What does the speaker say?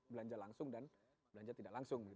belanja langsung dan belanja tidak langsung